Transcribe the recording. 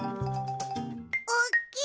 おっきい。